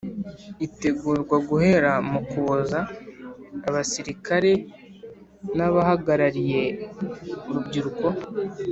Itegurwa guhera mu kuboza abasirikare n abahagarariye urbyiruko